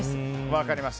分かりました。